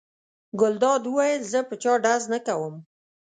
ګلداد وویل: زه په چا ډز نه کوم.